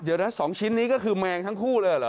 เดี๋ยวนะ๒ชิ้นนี้ก็คือแมงทั้งคู่เลยเหรอ